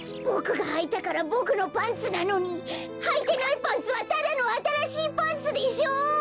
ボクがはいたからボクのパンツなのにはいてないパンツはただのあたらしいパンツでしょう！